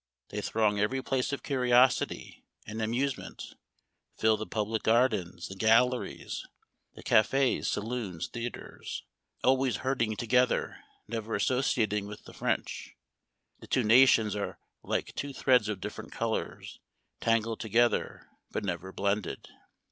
They throng every place of curiosity and amusement, fill the public gardens, the galleries, the cafes, saloons, theaters ; always herding together, never asso ciating with the French. The two nations are like two threads of different colors, tangled to gether, but never blended.